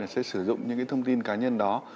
sẽ sử dụng những thông tin cá nhân đó